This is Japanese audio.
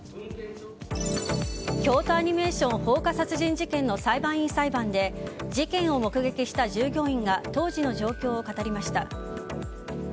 京都アニメーション放火殺人事件の裁判員裁判で事件を目撃した従業員が当時の状況を語りました。